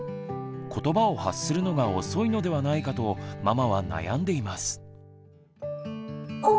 ことばを発するのが遅いのではないかとママは悩んでいます。